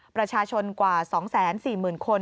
ประชาชนกว่า๒๔๐๐๐คน